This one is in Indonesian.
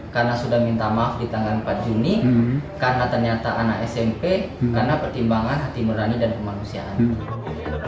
karena sudah minta maaf di tanggal empat juni karena ternyata anak smp karena pertimbangan hati nurani dan kemanusiaan